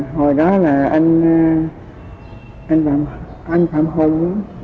hồi đó là anh phạm hùng